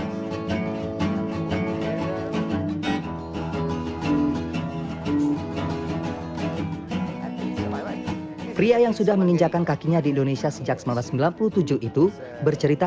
ketika mereka menangkapnya mereka meminta kakitanya untuk memasak sesuatu untuk menghormati margherita